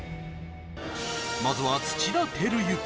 まずは土田晃之